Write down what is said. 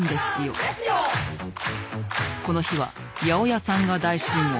この日は八百屋さんが大集合。